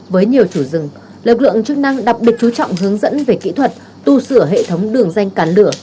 với nhiều chủ rừng lực lượng chức năng đặc biệt chú trọng hướng dẫn về kỹ thuật tu sửa hệ thống đường danh cản lửa